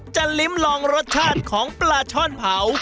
ลิ้มลองรสชาติของปลาช่อนเผา